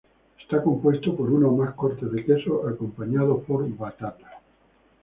Está compuesto por uno o más cortes de queso, acompañados por batata.